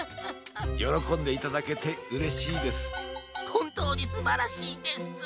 ほんとうにすばらしいです。